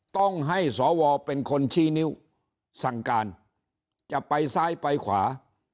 ต้องให้สวเป็นคนชี้นิ้วสั่งการจะไปซ้ายไปขวา